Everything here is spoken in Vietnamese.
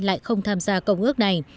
lại không tham gia công ước này